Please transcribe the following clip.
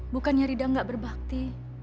bukannya rida gak berbakti